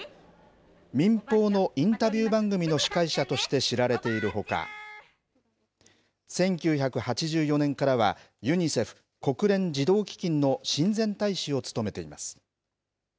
民放のインタビュー番組の司会者として知られているほか、１９８４年からは、ユニセフ・国連児童基金の親善大使を務めています。